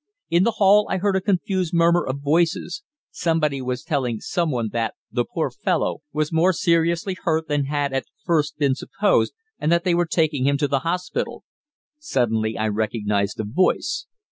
In the hall I heard a confused murmur of voices; somebody was telling someone that "the poor fellow" was more seriously hurt than had at first been supposed, and that they were taking him to the hospital. Suddenly I recognized a voice.